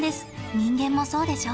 人間もそうでしょ？